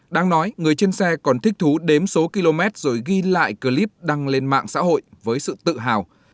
đang nói người trên xe còn thích thú đếm số km rồi ghi lại clip đăng lên mạng xã hội với sự tự hào